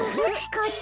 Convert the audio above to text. こっち？